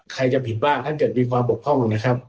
ใครจะผิดบ้างถ้าเกิดมีความปกพร่องนะครับ